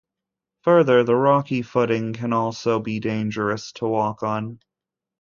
Further, the rocky footing can also be dangerous to walk on.